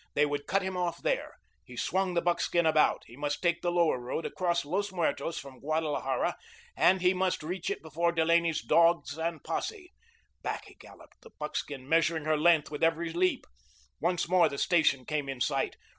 They would cut him off there. He swung the buckskin about. He must take the Lower Road across Los Muertos from Guadalajara, and he must reach it before Delaney's dogs and posse. Back he galloped, the buckskin measuring her length with every leap. Once more the station came in sight.